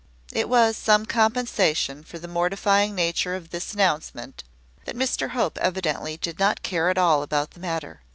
It was some compensation for the mortifying nature of this announcement, that Mr Hope evidently did not care at all about the matter.